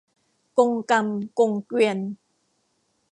กงกรรมกงเกวียน